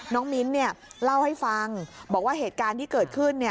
มิ้นเล่าให้ฟังบอกว่าเหตุการณ์ที่เกิดขึ้น